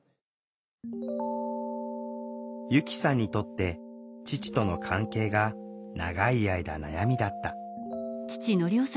由希さんにとって父との関係が長い間悩みだった。